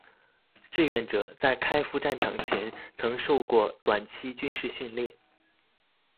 志愿者在开赴战场前曾受过短期军事训练。